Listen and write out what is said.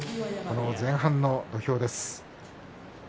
前半の土俵です。